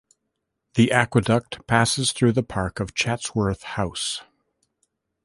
The aqueduct passes through the park of Chatsworth House.